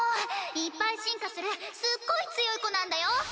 いっぱい進化するすっごい強い子なんだよ！？